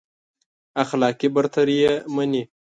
اخلاقي برتري يې مني.